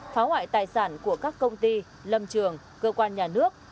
phá hoại tài sản của các công ty lâm trường cơ quan nhà nước